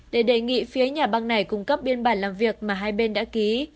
để đề nghị phía nhà băng này cung cấp biên bản làm việc mà hai bên đã ký